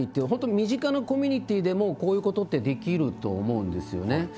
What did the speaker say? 身近なコミュニティーでもこういうことってできると思うんですよね。